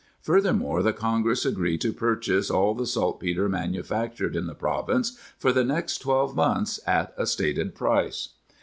Further more, the Congress agreed to purchase all the saltpetre manufactured in the province for the next twelve months at a stated price.